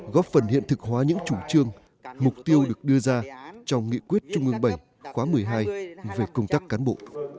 góp phần hiện thực hóa những chủ trương mục tiêu được đưa ra trong nghị quyết trung ương bảy khóa một mươi hai về công tác cán bộ